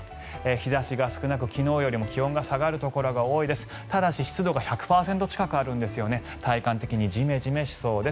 日差しが少なく昨日よりも気温が下がるところが多いですが湿度が１００％近くあるので体感的にジメジメしそうです。